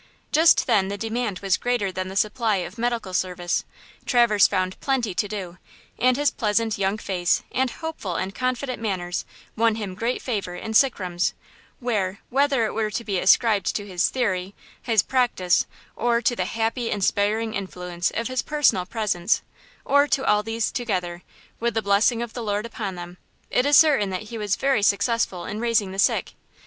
Just then the demand was greater than the supply of medical service. Traverse found plenty to do, and his pleasant, young face and hopeful and confident manners won him great favor in sick rooms, where, whether it were to be ascribed to his "theory", his "practice" or to the happy, inspiring influence of his personal presence, or to all these together, with the blessing of the Lord upon them, it is certain that he was very successful in raising the sick.